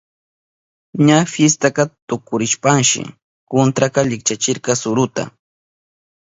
Ña fiestaka tukurishpanshi kuntruka likchachirka suruta.